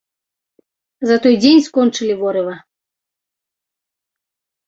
За той дзень скончылі ворыва.